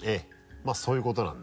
まぁそういうことなんで。